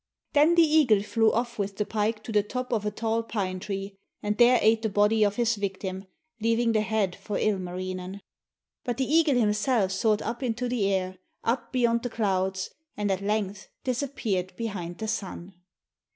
Then the eagle flew off with the pike to the top of a tall pine tree, and there ate the body of his victim, leaving the head for Ilmarinen. But the eagle himself soared up into the air, up beyond the clouds, and at length disappeared behind the sun.